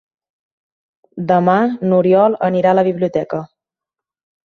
Demà n'Oriol anirà a la biblioteca.